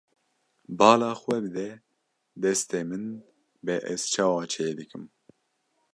Bala xwe bide destê min bê ez çawa çêdikim.